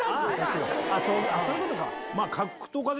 そういうことか！